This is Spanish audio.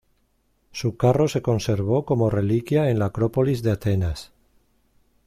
Su carro se conservó como reliquia en la Acrópolis de Atenas.